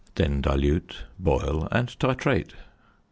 Then dilute, boil, and titrate.